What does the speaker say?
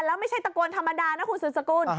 แล้วไม่ใช่ตะโกนธรรมดานะคุณสุดสกุล